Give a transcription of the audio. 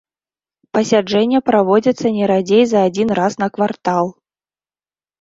Пасяджэння праводзяцца не радзей за адзін раз на квартал.